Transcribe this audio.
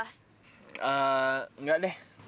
eee nggak deh